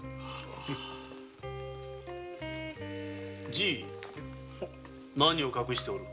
じぃ何を隠しておる？